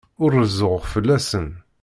Ur rezzuɣ fell-asen.